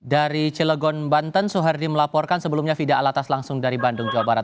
dari cilegon banten soehardi melaporkan sebelumnya fida alatas langsung dari bandung jawa barat